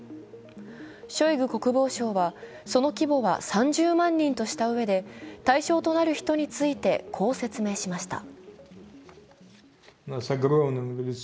ショイグ国防相は、その規模は３０万人としたうえで対象となる人についてこう説明しました。